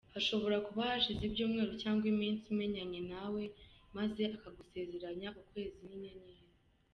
Hashobora kuba hashize ibyumweru cyangwa iminsi umenyanye nawe maze akagusezeranya ukwezi n’inyenyeri.